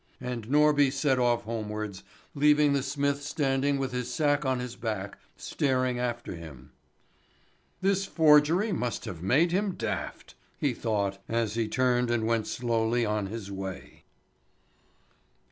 And Norby set off homewards, leaving the smith standing with his sack on his back, staring after him. "This forgery must have made him daft!" he thought, as he turned and went slowly on his way.